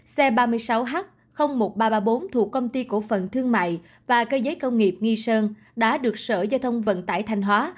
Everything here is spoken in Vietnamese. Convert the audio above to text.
xe ba mươi sáu h một nghìn ba trăm ba mươi bốn thuộc công ty cổ phần thương mại và cơ giới công nghiệp nghi sơn đã được sở giao thông vận tải thanh hóa